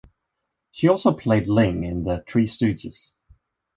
She also played Ling in "The Three Stooges".